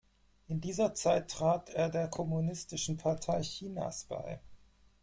In dieser Zeit trat er der Kommunistischen Partei Chinas bei.